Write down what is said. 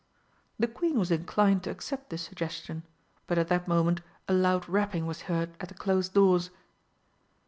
The Queen was inclined to accept this suggestion, but at that moment a loud rapping was heard at the closed doors.